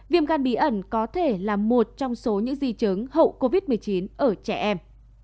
viêm gan bí ẩn có thể là một trong số những di chứng hậu covid một mươi chín ở trẻ em